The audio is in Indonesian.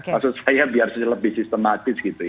maksud saya biar lebih sistematis